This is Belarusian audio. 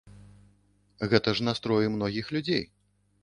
Гэта ж настроі многіх людзей.